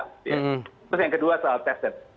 terus yang kedua soal testing